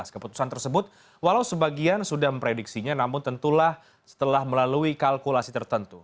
keputusan tersebut walau sebagian sudah memprediksinya namun tentulah setelah melalui kalkulasi tertentu